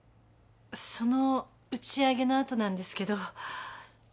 その打ち上げの後なんですけど。